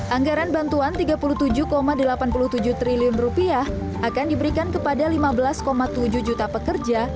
anggaran bantuan rp tiga puluh tujuh delapan puluh tujuh triliun akan diberikan kepada lima belas tujuh juta pekerja